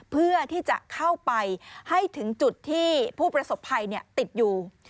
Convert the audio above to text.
เพื่อที่จะเข้าไปให้ถึงจุดที่ผู้ประสบภัยติดอยู่